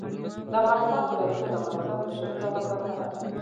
د افغانستان ولايتونه د افغانستان د بشري فرهنګ برخه ده.